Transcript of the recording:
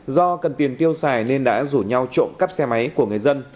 do cần tiền tiêu xài nên đã rủ nhau trộm cắp xe máy của người dân